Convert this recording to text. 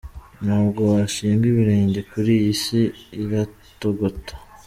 ntabwo washinga ibirenge kuri iyi Isi iratogota.